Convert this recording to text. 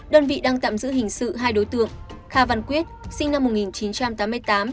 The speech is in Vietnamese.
đơn vị đang tạm giữ hình sự hai đối tượng kha văn quyết sinh năm một nghìn chín trăm tám mươi tám